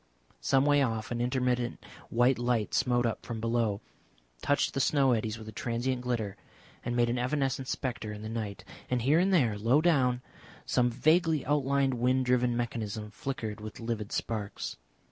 Some way off an intermittent white light smote up from below, touched the snow eddies with a transient glitter, and made an evanescent spectre in the night; and here and there, low down, some vaguely outlined wind driven mechanism flickered with livid sparks.